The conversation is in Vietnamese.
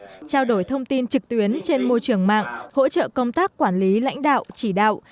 trao đổi thông tin trực tuyến trên môi trường mạng hỗ trợ công tác quản lý lãnh đạo chỉ đạo